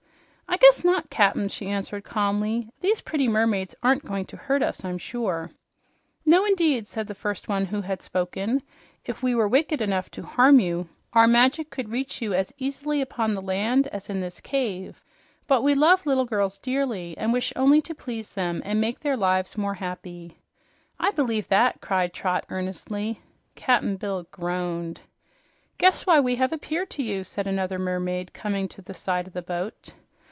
"I guess not, Cap'n," she answered calmly. "These pretty mermaids aren't going to hurt us, I'm sure." "No indeed," said the first one who had spoken. "If we were wicked enough to wish to harm you, our magic could reach you as easily upon the land as in this cave. But we love little girls dearly and wish only to please them and make their lives more happy." "I believe that!" cried Trot earnestly. Cap'n Bill groaned. "Guess why we have appeared to you," said another mermaid, coming to the side of the boat.